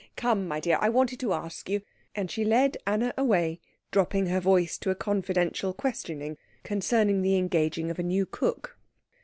Come, my dear, I wanted to ask you " And she led Anna away, dropping her voice to a confidential questioning concerning the engaging of a new cook.